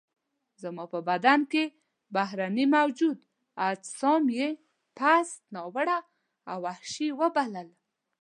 زما په بدن کې بهرني موجود اجسام یې پست، ناوړه او وحشي وبلل.